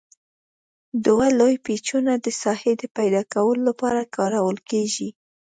دوه لوی پیچونه د ساحې د پیداکولو لپاره کارول کیږي.